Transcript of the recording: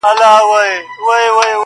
ستوري هم سترګک وهي په مینه مینه,